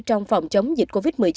trong phòng chống dịch